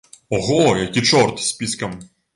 Ого, які чорт, з піскам!